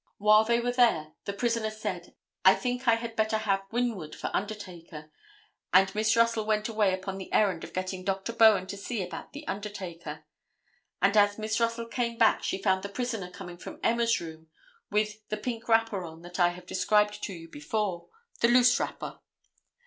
While they were there the prisoner said, "I think I had better have Winwood for undertaker," and Miss Russell went away upon the errand of getting Dr. Bowen to see about the undertaker. And as Miss Russell came back she found the prisoner coming from Emma's room with the pink wrapper on that I have described to you before—the loose wrapper.